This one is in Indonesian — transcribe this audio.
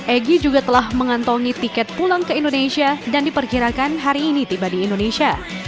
egy juga telah mengantongi tiket pulang ke indonesia dan diperkirakan hari ini tiba di indonesia